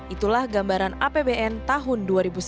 itulah gambaran apbn tahun dua ribu sembilan belas